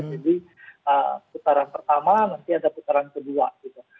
jadi putaran pertama nanti ada putaran kedua gitu